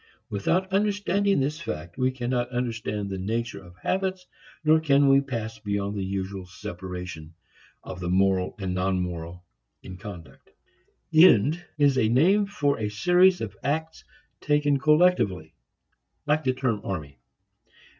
Without understanding this fact we cannot understand the nature of habits nor can we pass beyond the usual separation of the moral and non moral in conduct. "End" is a name for a series of acts taken collectively like the term army.